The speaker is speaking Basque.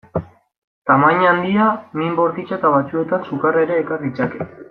Tamaina handia, min bortitza eta batzuetan sukarra ere ekar ditzake.